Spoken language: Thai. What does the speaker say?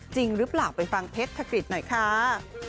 จริงหรือเปล่าไปฟังเพชรธกฤษหน่อยค่ะ